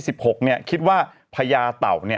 ดื่มน้ำก่อนสักนิดใช่ไหมคะคุณพี่